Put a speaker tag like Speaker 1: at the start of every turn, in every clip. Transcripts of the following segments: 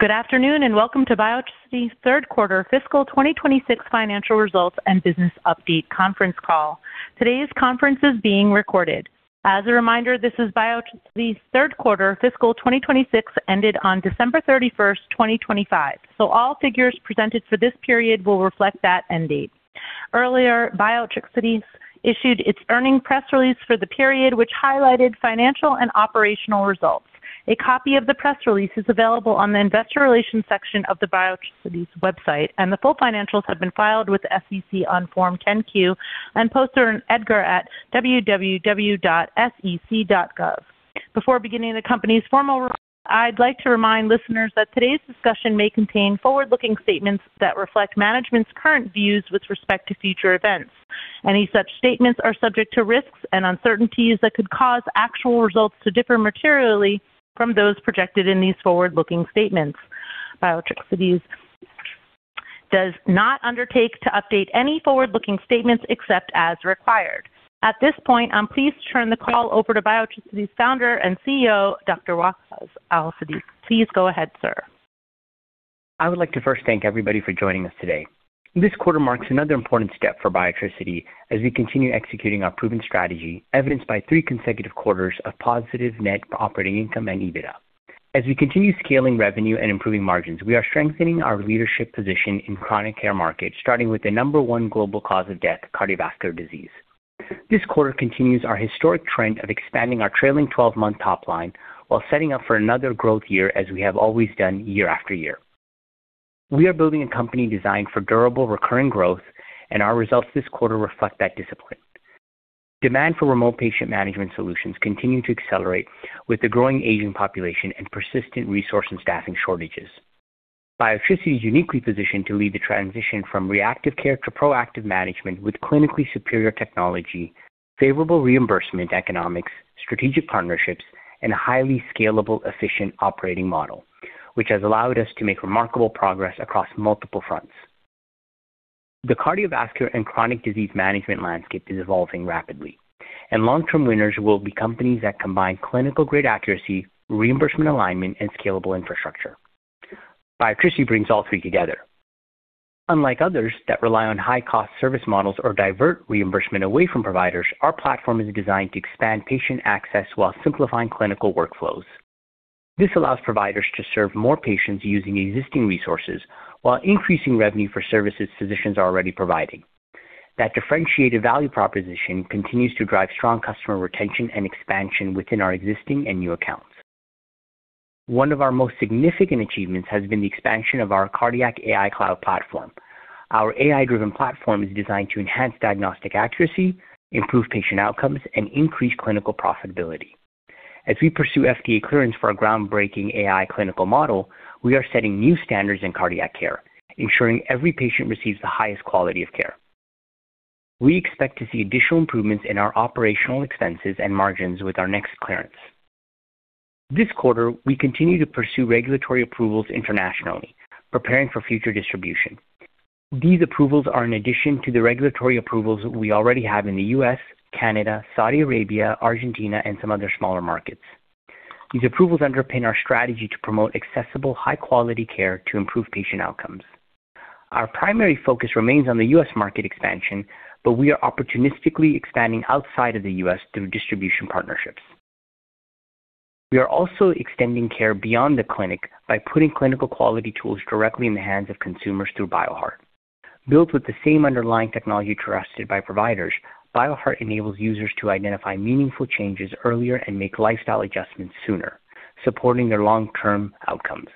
Speaker 1: Good afternoon, and welcome to Biotricity's third quarter fiscal 2026 financial results and business update conference call. Today's conference is being recorded. As a reminder, this is Biotricity's third quarter fiscal 2026, ended on December 31, 2025. So all figures presented for this period will reflect that end date. Earlier, Biotricity issued its earnings press release for the period, which highlighted financial and operational results. A copy of the press release is available on the investor relations section of the Biotricity's website, and the full financials have been filed with the SEC on Form 10-Q and posted on EDGAR at www.sec.gov. Before beginning the company's formal... I'd like to remind listeners that today's discussion may contain forward-looking statements that reflect management's current views with respect to future events. Any such statements are subject to risks and uncertainties that could cause actual results to differ materially from those projected in these forward-looking statements. Biotricity does not undertake to update any forward-looking statements except as required. At this point, I'm pleased to turn the call over to Biotricity's founder and CEO, Dr. Waqaas Al-Siddiq. Please go ahead, sir.
Speaker 2: I would like to first thank everybody for joining us today. This quarter marks another important step for Biotricity as we continue executing our proven strategy, evidenced by 3 consecutive quarters of positive net operating income and EBITDA. As we continue scaling revenue and improving margins, we are strengthening our leadership position in chronic care markets, starting with the number one global cause of death, cardiovascular disease. This quarter continues our historic trend of expanding our trailing 12-month top line while setting up for another growth year, as we have always done year after year. We are building a company designed for durable, recurring growth, and our results this quarter reflect that discipline. Demand for remote patient management solutions continue to accelerate with the growing aging population and persistent resource and staffing shortages. Biotricity is uniquely positioned to lead the transition from reactive care to proactive management with clinically superior technology, favorable reimbursement economics, strategic partnerships, and a highly scalable, efficient operating model, which has allowed us to make remarkable progress across multiple fronts. The cardiovascular and chronic disease management landscape is evolving rapidly, and long-term winners will be companies that combine clinical-grade accuracy, reimbursement alignment, and scalable infrastructure. Biotricity brings all three together. Unlike others that rely on high-cost service models or divert reimbursement away from providers, our platform is designed to expand patient access while simplifying clinical workflows. This allows providers to serve more patients using existing resources while increasing revenue for services physicians are already providing. That differentiated value proposition continues to drive strong customer retention and expansion within our existing and new accounts. One of our most significant achievements has been the expansion of our Cardiac AI Cloud platform. Our AI-driven platform is designed to enhance diagnostic accuracy, improve patient outcomes, and increase clinical profitability. As we pursue FDA clearance for our groundbreaking AI clinical model, we are setting new standards in cardiac care, ensuring every patient receives the highest quality of care. We expect to see additional improvements in our operational expenses and margins with our next clearance. This quarter, we continue to pursue regulatory approvals internationally, preparing for future distribution. These approvals are in addition to the regulatory approvals we already have in the U.S., Canada, Saudi Arabia, Argentina, and some other smaller markets. These approvals underpin our strategy to promote accessible, high-quality care to improve patient outcomes. Our primary focus remains on the U.S. market expansion, but we are opportunistically expanding outside of the U.S. through distribution partnerships. We are also extending care beyond the clinic by putting clinical quality tools directly in the hands of consumers through Bioheart. Built with the same underlying technology trusted by providers, Bioheart enables users to identify meaningful changes earlier and make lifestyle adjustments sooner, supporting their long-term outcomes.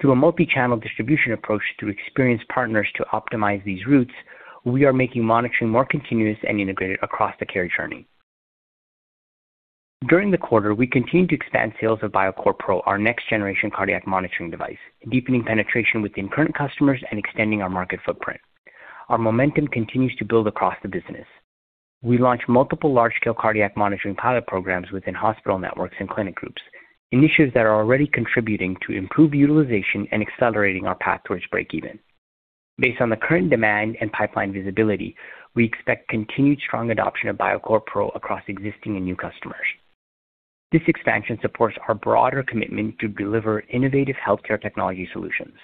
Speaker 2: Through a multichannel distribution approach, through experienced partners to optimize these routes, we are making monitoring more continuous and integrated across the care journey. During the quarter, we continued to expand sales of BioCore Pro, our next-generation cardiac monitoring device, deepening penetration within current customers and extending our market footprint. Our momentum continues to build across the business. We launched multiple large-scale cardiac monitoring pilot programs within hospital networks and clinic groups, initiatives that are already contributing to improved utilization and accelerating our path towards breakeven. Based on the current demand and pipeline visibility, we expect continued strong adoption of Biotres Pro across existing and new customers. This expansion supports our broader commitment to deliver innovative healthcare technology solutions.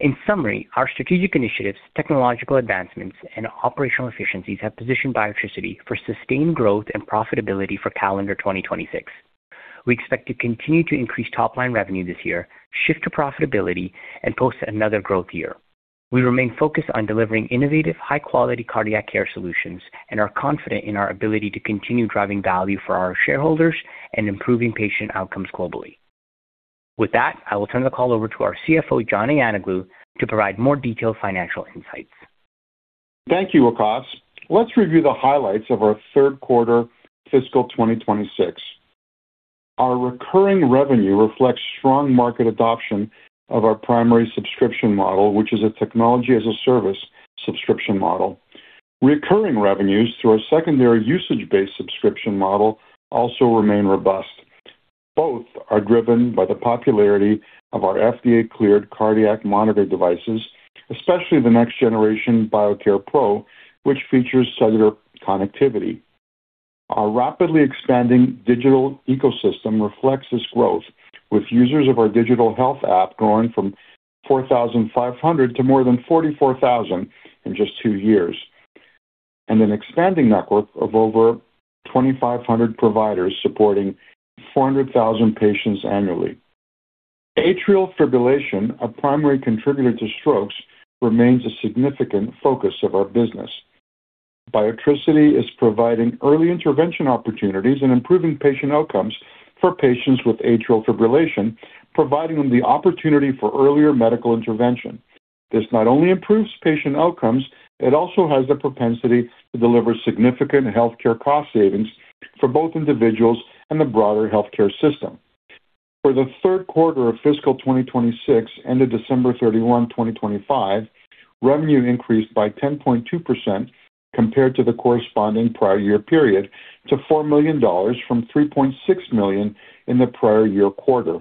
Speaker 2: In summary, our strategic initiatives, technological advancements, and operational efficiencies have positioned Biotricity for sustained growth and profitability for calendar 2026. We expect to continue to increase top-line revenue this year, shift to profitability, and post another growth year. We remain focused on delivering innovative, high-quality cardiac care solutions and are confident in our ability to continue driving value for our shareholders and improving patient outcomes globally. With that, I will turn the call over to our CFO, John Ayanoglou, to provide more detailed financial insights.
Speaker 3: Thank you, Waqaas. Let's review the highlights of our third quarter fiscal 2026. Our recurring revenue reflects strong market adoption of our primary subscription model, which is a technology-as-a-service subscription model. Recurring revenues through our secondary usage-based subscription model also remain robust. Both are driven by the popularity of our FDA-cleared cardiac monitor devices, especially the next-generation Biotres Pro, which features cellular connectivity.... Our rapidly expanding digital ecosystem reflects this growth, with users of our digital health app growing from 4,500 to more than 44,000 in just two years, and an expanding network of over 2,500 providers supporting 400,000 patients annually. Atrial fibrillation, a primary contributor to strokes, remains a significant focus of our business. Biotricity is providing early intervention opportunities and improving patient outcomes for patients with atrial fibrillation, providing them the opportunity for earlier medical intervention. This not only improves patient outcomes, it also has the propensity to deliver significant healthcare cost savings for both individuals and the broader healthcare system. For the third quarter of fiscal 2026, ended December 31, 2025, revenue increased by 10.2% compared to the corresponding prior year period, to $4 million from $3.6 million in the prior year quarter.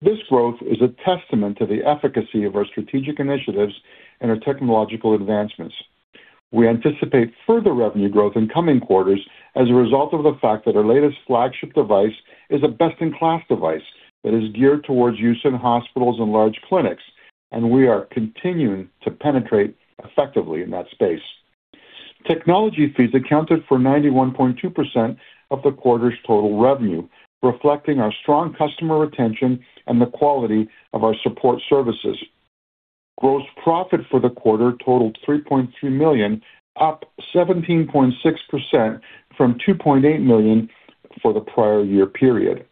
Speaker 3: This growth is a testament to the efficacy of our strategic initiatives and our technological advancements. We anticipate further revenue growth in coming quarters as a result of the fact that our latest flagship device is a best-in-class device that is geared towards use in hospitals and large clinics, and we are continuing to penetrate effectively in that space. Technology fees accounted for 91.2% of the quarter's total revenue, reflecting our strong customer retention and the quality of our support services. Gross profit for the quarter totaled $3.2 million, up 17.6% from $2.8 million for the prior year period.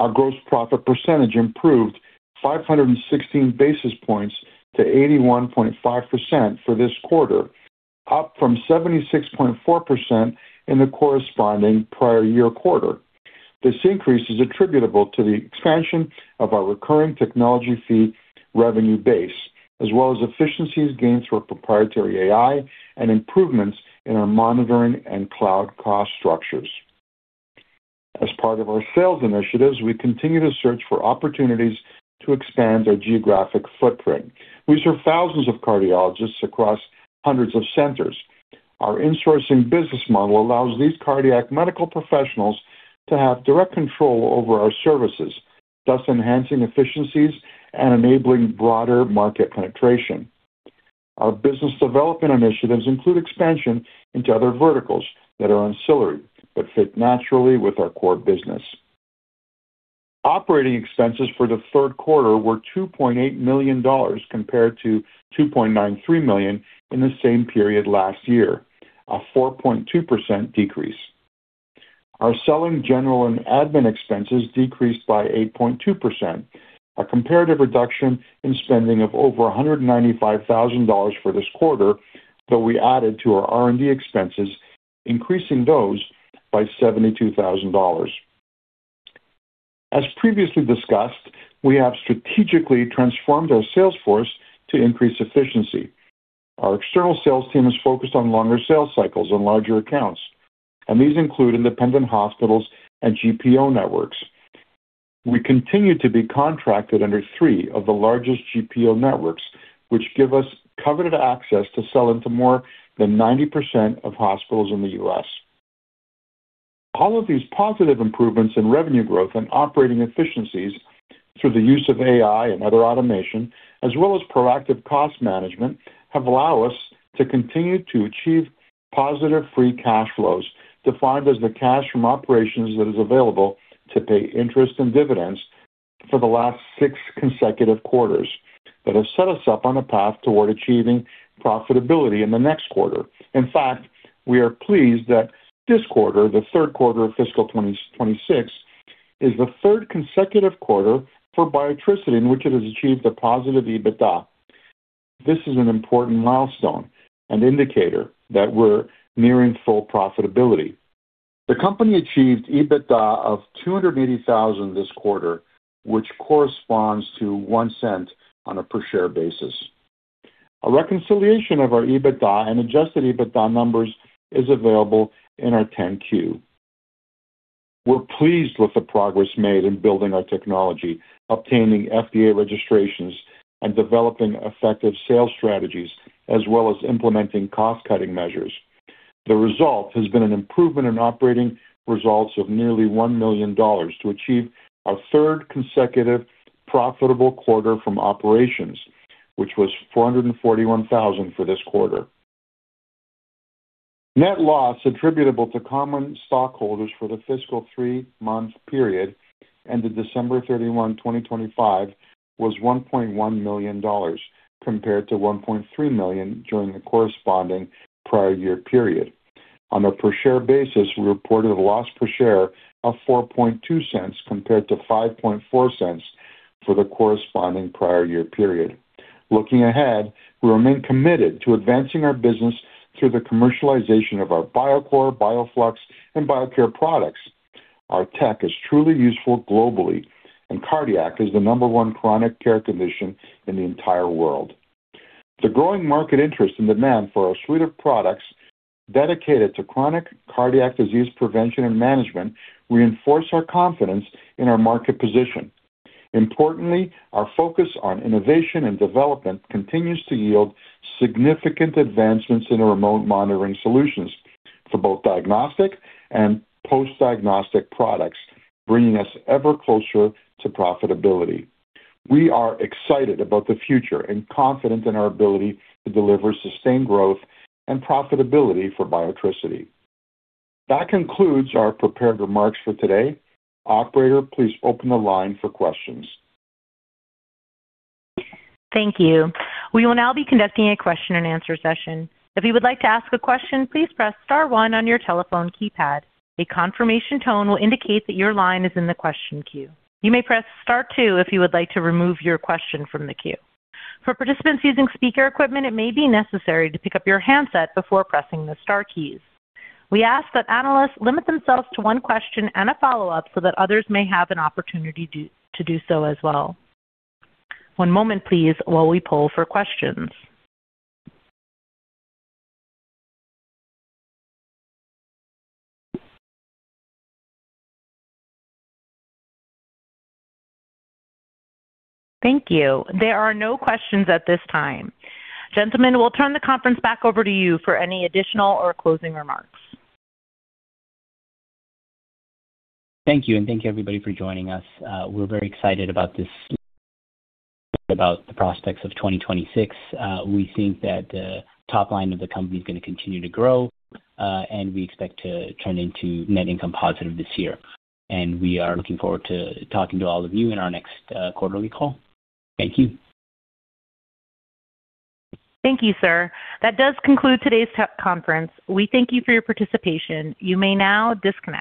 Speaker 3: Our gross profit percentage improved 516 basis points to 81.5% for this quarter, up from 76.4% in the corresponding prior year quarter. This increase is attributable to the expansion of our recurring technology fee revenue base, as well as efficiencies gained through our proprietary AI and improvements in our monitoring and cloud cost structures. As part of our sales initiatives, we continue to search for opportunities to expand our geographic footprint. We serve thousands of cardiologists across hundreds of centers. Our insourcing business model allows these cardiac medical professionals to have direct control over our services, thus enhancing efficiencies and enabling broader market penetration. Our business development initiatives include expansion into other verticals that are ancillary, but fit naturally with our core business. Operating expenses for the third quarter were $2.8 million compared to $2.93 million in the same period last year, a 4.2% decrease. Our selling, general, and admin expenses decreased by 8.2%, a comparative reduction in spending of over $195,000 for this quarter, though we added to our R&D expenses, increasing those by $72,000. As previously discussed, we have strategically transformed our sales force to increase efficiency. Our external sales team is focused on longer sales cycles and larger accounts, and these include independent hospitals and GPO networks. We continue to be contracted under three of the largest GPO networks, which give us coveted access to sell into more than 90% of hospitals in the U.S. All of these positive improvements in revenue growth and operating efficiencies through the use of AI and other automation, as well as proactive cost management, have allowed us to continue to achieve positive free cash flows, defined as the cash from operations that is available to pay interest and dividends for the last six consecutive quarters. That has set us up on a path toward achieving profitability in the next quarter. In fact, we are pleased that this quarter, the third quarter of fiscal 2026, is the third consecutive quarter for Biotricity in which it has achieved a positive EBITDA. This is an important milestone and indicator that we're nearing full profitability. The company achieved EBITDA of $280,000 this quarter, which corresponds to $0.01 on a per-share basis. A reconciliation of our EBITDA and Adjusted EBITDA numbers is available in our 10-Q. We're pleased with the progress made in building our technology, obtaining FDA registrations, and developing effective sales strategies, as well as implementing cost-cutting measures. The result has been an improvement in operating results of nearly $1 million to achieve our third consecutive profitable quarter from operations, which was $441,000 for this quarter. Net loss attributable to common stockholders for the fiscal three-month period, ended December 31, 2025, was $1.1 million, compared to $1.3 million during the corresponding prior year period. On a per-share basis, we reported a loss per share of $0.042, compared to $0.054 for the corresponding prior year period. Looking ahead, we remain committed to advancing our business through the commercialization of our Biotres, Bioflux, and BioCare products. Our tech is truly useful globally, and cardiac is the number one chronic care condition in the entire world. The growing market interest and demand for our suite of products dedicated to chronic cardiac disease prevention and management reinforce our confidence in our market position. Importantly, our focus on innovation and development continues to yield significant advancements in our remote monitoring solutions for both diagnostic and post-diagnostic products, bringing us ever closer to profitability. We are excited about the future and confident in our ability to deliver sustained growth and profitability for Biotricity. That concludes our prepared remarks for today. Operator, please open the line for questions.
Speaker 1: Thank you. We will now be conducting a question-and-answer session. If you would like to ask a question, please press star one on your telephone keypad. A confirmation tone will indicate that your line is in the question queue. You may press star two if you would like to remove your question from the queue. For participants using speaker equipment, it may be necessary to pick up your handset before pressing the star keys. We ask that analysts limit themselves to one question and a follow-up so that others may have an opportunity to do so as well. One moment, please, while we poll for questions. Thank you. There are no questions at this time. Gentlemen, we'll turn the conference back over to you for any additional or closing remarks.
Speaker 2: Thank you, and thank you, everybody, for joining us. We're very excited about this, about the prospects of 2026. We think that the top line of the company is going to continue to grow, and we expect to turn into net income positive this year. And we are looking forward to talking to all of you in our next, quarterly call. Thank you.
Speaker 1: Thank you, sir. That does conclude today's conference. We thank you for your participation. You may now disconnect.